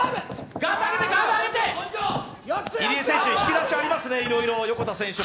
入江選手、引き出しありますね、横田選手も。